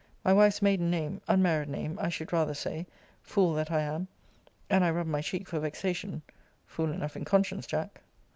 My wife's maiden name unmarried name, I should rather say fool that I am! and I rubbed my cheek for vexation [Fool enough in conscience, Jack!